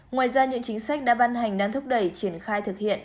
ngoài ra những chính sách đã ban hành đang thúc đẩy triển khai thực hiện